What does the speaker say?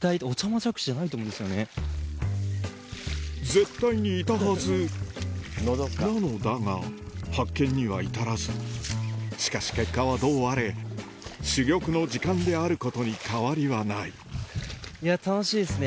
絶対にいたはずなのだが発見には至らずしかし結果はどうあれ珠玉の時間であることに変わりはない楽しいっすね